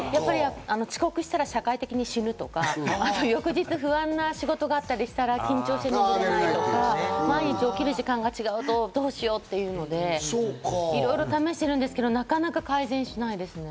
遅刻したら社会的に死ぬとか、翌日、不安な仕事があったりしたら緊張して眠れないとか、毎日起きる時間が違うとどうしようというので、いろいろ試してるんですけど、なかなか改善しないですね。